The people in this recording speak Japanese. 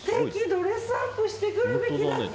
ドレスアップしてくるべきだった。